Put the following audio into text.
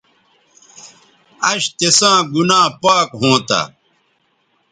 اش تساں گنا پاک ھونتہ